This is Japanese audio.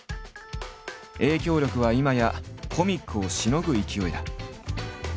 影響力は今やコミックをしのぐ勢いだ。